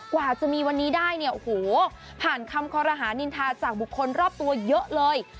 กว่าจะมีวันนี้ได้เนี่ยโอ้โหผ่านคำคอรหานินทาจากบุคคลรอบตัวเยอะเลย